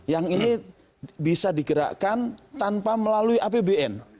yang ini bisa digerakkan tanpa melalui apbn